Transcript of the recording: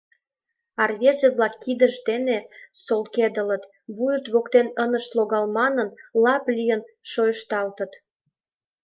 А рвезе-влак кидышт дене солкедылыт, вуйышт воктен ынышт логалте манын, лап лийыт, шойышталтыт.